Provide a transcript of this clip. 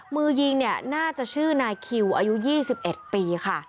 มือยิงเนี่ยน่าจะชื่อนายคิวอายุ๒๑ปีค่ะ